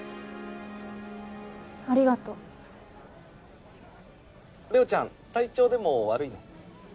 ありがとうれおちゃん体調でも悪いの？